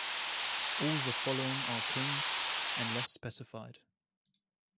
All the following are kings, unless specified.